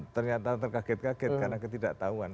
ternyata terkaget kaget karena ketidaktahuan